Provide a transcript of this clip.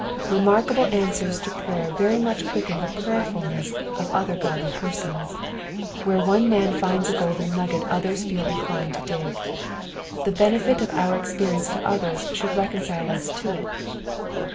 Remarkable answers to prayer very much quicken the pruyerfulncBB uf other godly peiBOUB. Where one man &aaa a tjolden nugget others (eel inclined to dig. The benefit of our experience to others should reconcilo us tn it.